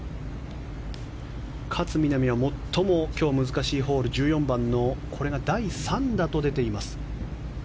勝みなみは今日最も難しいホール１４番の第３打と出ています。